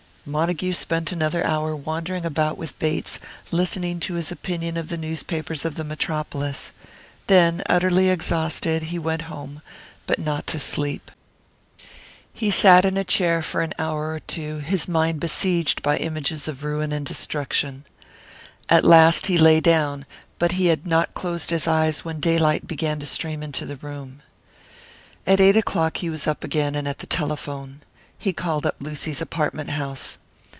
Montague spent another hour wandering about with Bates, listening to his opinion of the newspapers of the Metropolis. Then, utterly exhausted, he went home; but not to sleep. He sat in a chair for an hour or two, his mind besieged by images of ruin and destruction. At last he lay down, but he had not closed his eyes when daylight began to stream into the room. At eight o'clock he was up again and at the telephone. He called up Lucy's apartment house.